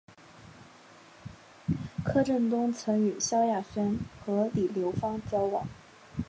柯震东曾与萧亚轩和李毓芬交往。